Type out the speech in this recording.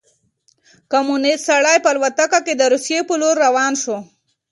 کمونیست سړی په الوتکه کې د روسيې په لور روان شو.